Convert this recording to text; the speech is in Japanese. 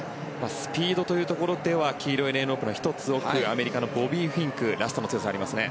スピードというところでは黄色いレーンロープの１つ奥アメリカのボビー・フィンクラストの強さがありますね。